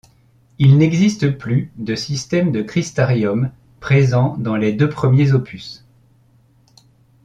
Il n'existe plus de système de Cristariums, présents dans les deux premiers opus.